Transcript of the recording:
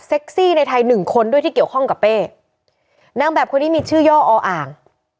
ในไทยหนึ่งคนด้วยที่เกี่ยวข้องกับเป้นางแบบคนนี้มีชื่อย่ออ่าง